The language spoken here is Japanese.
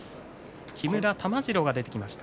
木村玉治郎が出てきました。